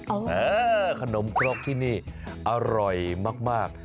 เออขนมครกที่นี่อร่อยมาก